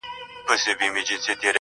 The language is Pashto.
كله، ناكله غلتيږي څــوك غوصه راځـي.